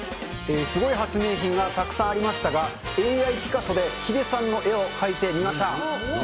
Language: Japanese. すごい発明品がたくさんありましたが、ＡＩピカソでヒデさんの絵を描いてみました。